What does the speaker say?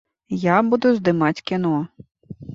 Я буду здымаць кіно.